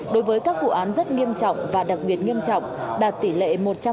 đối với các vụ án rất nghiêm trọng và đặc biệt nghiêm trọng đạt tỷ lệ một trăm linh